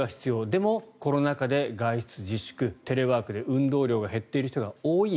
でも、コロナ禍で外出自粛テレワークで運動量が減っている人が多い。